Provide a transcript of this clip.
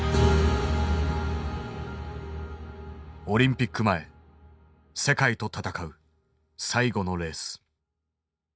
オリンピック前世界と戦う最後のレース。